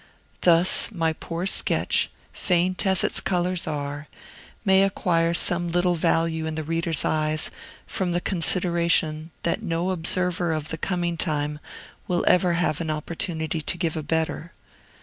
Thus my poor sketch, faint as its colors are, may acquire some little value in the reader's eyes from the consideration that no observer of the coming time will ever have an opportunity to give a better.